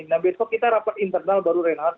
nah besok kita rapat internal baru renat